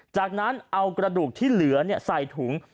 จากนั้นเอากระดูกที่เหลือใส่ถุง